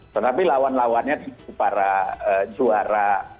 tetapi lawan lawannya para juara